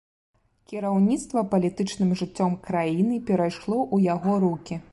Кіраўніцтва палітычным жыццём краіны перайшло ў яго рукі.